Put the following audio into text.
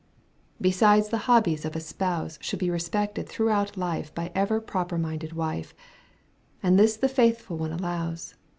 Besides the hobbies of a spouse Should be respected throughout life By every proper minded wife. And this the faithful one allows.